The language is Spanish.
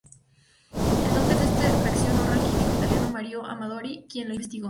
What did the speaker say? El nombre de esta reacción honra al químico italiano Mario Amadori, quien la investigó.